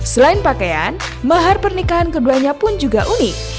selain pakaian mahar pernikahan keduanya pun juga unik